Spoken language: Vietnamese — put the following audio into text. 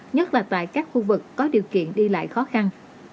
nhất là tại các khu vực có điều kiện đi lại khó khăn